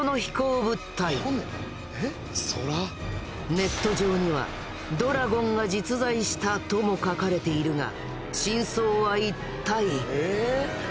ネット上には「ドラゴンが実在した！」とも書かれているが真相は一体？